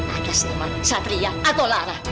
atas nama satria atau lara